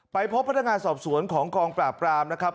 พบพนักงานสอบสวนของกองปราบปรามนะครับ